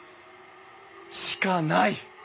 しかない！